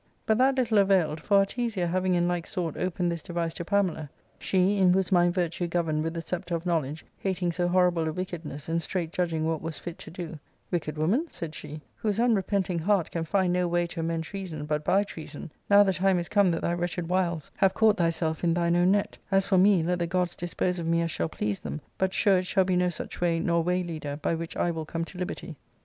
But that little availed ; for Artesia, having in like sort opened this device to Pamela, she, in whose mind virtue governed with the sceptre of knowledge, hating so horrible a wickedness, and straight judging what was fit to do, " Wicked woman,'' said she, "whose unrepenting heart can find no way to amend treason but by treason, now the time is come that thy wretched wiles have caught thyself in thine own net : as for me, let the gods dispose of me as shall please them ; but sure it shall be no such way, nor way leader, by which I will come to liberty."